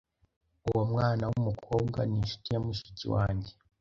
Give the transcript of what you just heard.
Uwo mwana wumukobwa ninshuti ya mushiki wanjye.